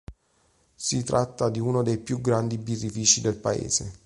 Si tratta di uno dei più grandi birrifici del Paese.